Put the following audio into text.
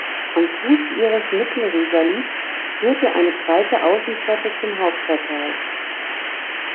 Am Fuße ihres Mittelrisalits führt eine breite Außentreppe zum Hauptportal.